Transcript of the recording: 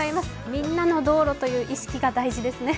みんなの道路という意識が必要ですね。